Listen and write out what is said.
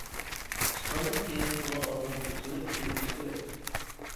قۇسقاندىن كېيىن سۇغا ئازراق تۇز سېلىپ ئىچىۋېتىش كېرەك.